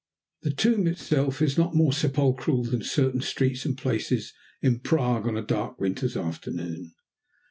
The tomb itself is not more sepulchral than certain streets and places in Prague on a dark winter's afternoon.